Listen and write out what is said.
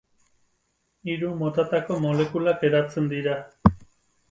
Hiru motatako molekulak eratzen dira.